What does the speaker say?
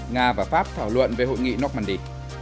nga và pháp thảo luận về hội nghị normandy